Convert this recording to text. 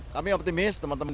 kami optimis teman teman